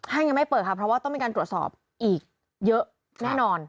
ยังไม่เปิดค่ะเพราะว่าต้องมีการตรวจสอบอีกเยอะแน่นอน